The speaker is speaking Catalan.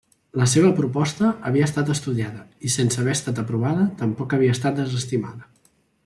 La seva proposta havia estat estudiada i, sense haver estat aprovada, tampoc havia estat desestimada.